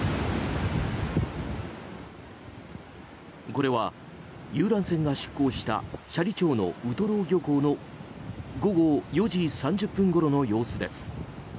これは遊覧船が出港した斜里町のウトロ漁港の午後４時３０分ごろの様子です。